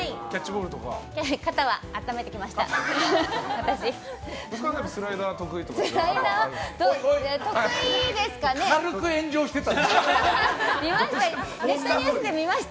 肩は温めてきました。